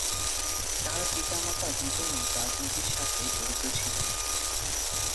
তার পিতামাতা দুজনেই রাজনীতির সাথে জড়িত ছিলেন।